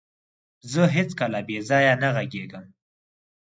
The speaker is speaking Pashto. زه هيڅکله بيځايه نه غږيږم.